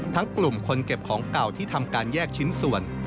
กลุ่มคนเก็บของเก่าที่ทำการแยกชิ้นส่วน